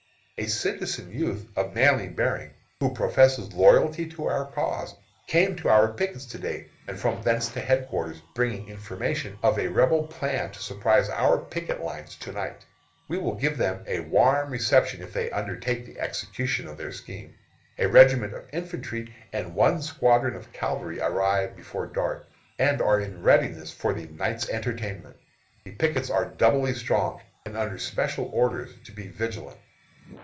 A citizen youth, of manly bearing, who professes loyalty to our cause, came to our pickets to day, and from thence to headquarters, bringing information of a Rebel plan to surprise our picket lines to night. We will give them a warm reception if they undertake the execution of their scheme. A regiment of infantry, and one squadron of cavalry arrived before dark, and are in readiness for the night's entertainment. The pickets are doubly strong, and are under special orders to be vigilant.